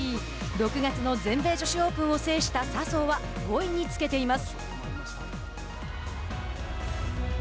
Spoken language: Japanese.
６月の全米女子オープンを制した笹生は５位につけています。